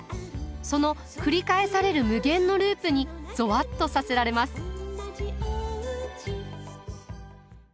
その繰り返される無限のループにゾワッとさせられます。